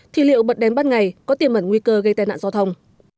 thì liệu bật đèn ban ngày có tiềm ẩn nguy cơ gây tai nạn giao thông